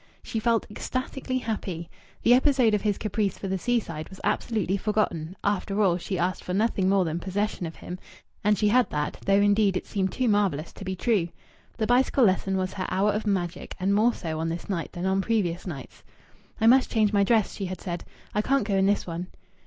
She felt ecstatically happy. The episode of his caprice for the seaside was absolutely forgotten; after all, she asked for nothing more than possession of him, and she had that, though indeed it seemed too marvellous to be true. The bicycle lesson was her hour of magic; and more so on this night than on previous nights. "I must change my dress," she had said. "I can't go in this one."